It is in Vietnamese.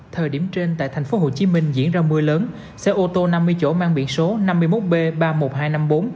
thời điểm trên tại tp hcm diễn ra mưa lớn xe ô tô năm mươi chỗ mang biển số năm mươi một b ba mươi một nghìn hai trăm năm mươi bốn